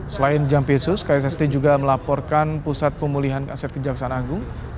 selain jampitsus ksst juga melaporkan pusat pemulihan aset kejaksaan agung